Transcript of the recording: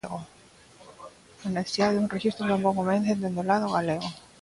A necesidade dun rexistro tampouco convence dende o lado galego.